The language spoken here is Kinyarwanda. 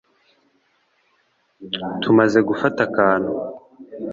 Tumaze gufata akantu